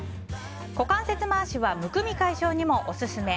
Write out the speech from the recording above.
股関節回しはむくみ解消にもオススメ。